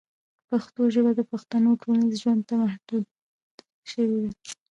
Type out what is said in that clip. پښتو ژبه د پښتنو ټولنیز ژوند ته محدوده شوې ده.